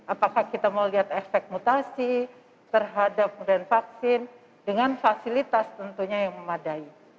apakah kita mau lihat efek mutasi terhadap pemberian vaksin dengan fasilitas tentunya yang memadai